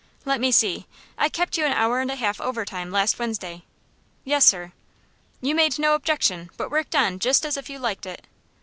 Let me see I kept you an hour and a half overtime last Wednesday." "Yes, sir." "You made no objection, but worked on just as if you liked it."